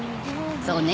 そうね。